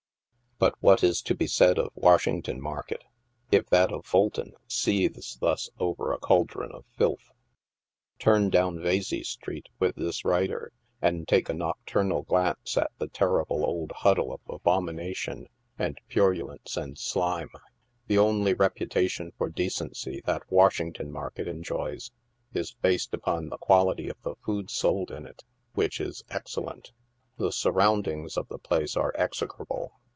But what is to be said of Washington market, if that of Fulton seethes thus over a caldron of filth ? Turn down Vesey street with this writer, and take a nocturnal glance at the terrible old huddle of abomination, and purulence, and slime. The only reputation for decency that Washington market enjoys is based upon the quality of the food sold in it, which is excellent. The surroundings of the place are execrable.